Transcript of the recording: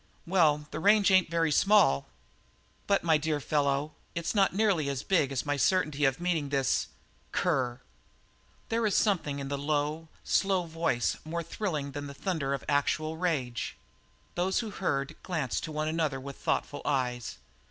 "Well, the range ain't very small." "But my dear fellow, it's not nearly as big as my certainty of meeting this cur." There is something in a low, slow voice more thrilling than the thunder of actual rage. Those who heard glanced to one another with thoughtful eyes.